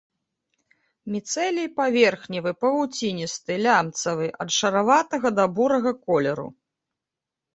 Міцэлій паверхневы, павуціністы, лямцавы, ад шараватага да бурага колеру.